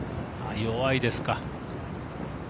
弱いですか。